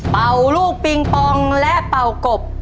เป่าลูกปิงปองและเป่ากบ